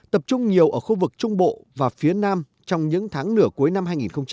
tập trung nhiều ở khu vực trung bộ và phía nam trong những tháng nửa cuối năm hai nghìn hai mươi